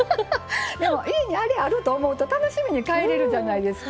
家にあれがあると思うと楽しみに帰れるじゃないですか。